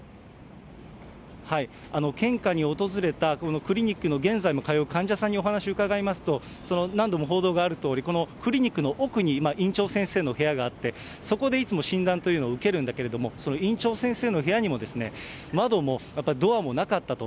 献花に訪れたクリニックの、現在も通う患者さんにお話を伺いますと、何度も報道があるとおり、このクリニックの奥に、院長先生の部屋があって、そこでいつも診断というのを受けるんだけれども、その院長先生の部屋にも、窓もドアもなかったと。